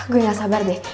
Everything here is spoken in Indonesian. gue gak sabar deh